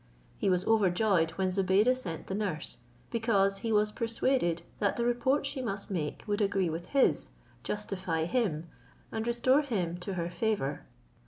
He was overjoyed when Zobeide sent the nurse; because he was persuaded that the report she must make would agree with his, justify him, and restore him to her favour.